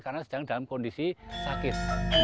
karena sedang dalam kondisi sakit